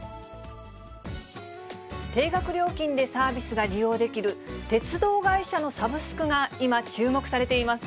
定額料金でサービスが利用できる、鉄道会社のサブスクが、今、注目されています。